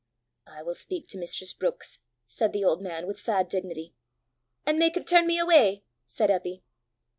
"I will speak to mistress Brookes," said the old man, with sad dignity. "And make her turn me away!" said Eppy.